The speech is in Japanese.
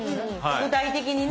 具体的にね。